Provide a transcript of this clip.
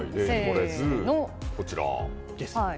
こちらですね。